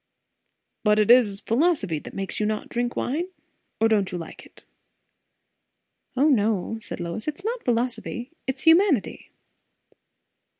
"But it is philosophy that makes you not drink wine? Or don't you like it?" "O no," said Lois, "it is not philosophy; it is humanity."